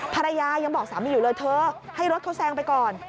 ภรรยายังบอกสามีอยู่เลยเธอให้รถเขาแซงไปก่อน